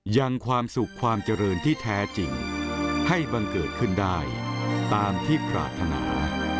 ยังความสุขความเจริญที่แท้จริงให้บังเกิดขึ้นได้ตามที่ปรารถนา